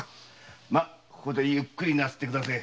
まここでゆっくりなすってくだせえ。